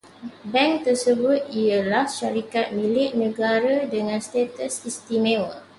Bank tersebut ialah syarikat milik negara dengan status istimewa